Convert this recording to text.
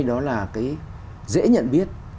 đó là cái dễ nhận biết